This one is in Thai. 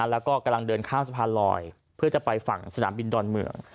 แล้วก็กำลังเดินข้ามสะพานลอยเพื่อจะไปฝั่งสนามบินดอนเมือง